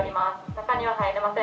中には入れません。